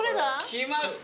きました。